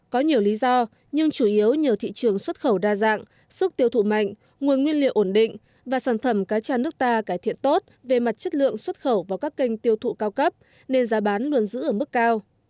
có nhiều lý do nhưng chủ yếu nhờ thị trường xuất khẩu đa dạng sức tiêu thụ mạnh nguồn nguyên liệu ổn định và sản phẩm cá cha nước ta cải thiện tốt về mặt chất lượng xuất khẩu vào các kênh tiêu thụ cao cấp nên giá bán luôn giữ ở mức cao